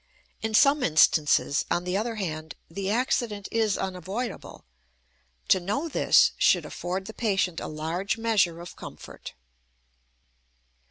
In some instances, on the other hand, the accident is unavoidable; to know this should afford the patient a large measure of comfort.